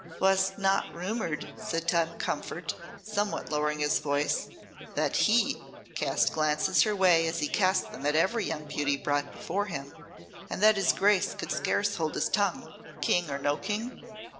"Was't not rumoured," said Tom Comfort, somewhat lowering his voice, "that He cast glances her way as he casts them on every young beauty brought before him, and that his Grace could scarce hold his tongue King or no King?"